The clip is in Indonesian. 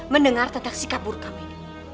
mendengar tentang sikap buruk kamu ini